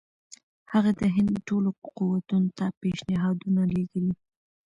هغه د هند ټولو قوتونو ته پېشنهادونه لېږلي.